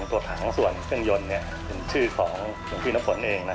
ผู้นำเข้าโครงตรวจหาของส่วนเครื่องยนต์คือชื่อของพี่นับสนเอง